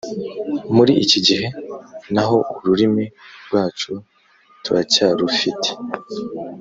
Muri iki gihe na ho, ururimi rwacu turacyarufite